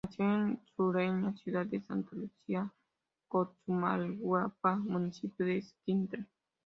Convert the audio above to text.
Nació en la sureña ciudad de Santa Lucía Cotzumalguapa, municipio de Escuintla.